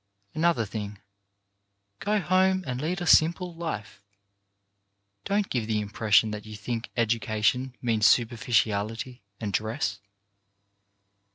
Another thing. Go home and lead a simple life. Don't give the impression that you think education means superficiality and dress.